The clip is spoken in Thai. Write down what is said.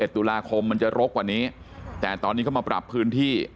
ตุลาคมมันจะรกกว่านี้แต่ตอนนี้เขามาปรับพื้นที่